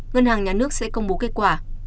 ngân hàng nhà nước sẽ công bố kết quả